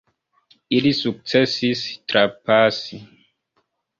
Ili sukcesis trapasi!